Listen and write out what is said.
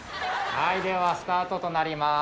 はいではスタートとなります。